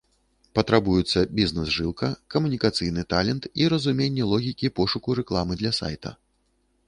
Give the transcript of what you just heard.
Патрабуюцца бізнэс-жылка, камунікацыйны талент і разуменне логікі пошуку рэкламы для сайта.